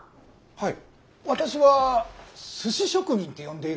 はい。